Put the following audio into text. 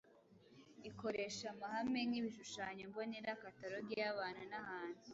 ikoresha amahame nkibishushanyo mbonera, kataloge yabantu n’ahantu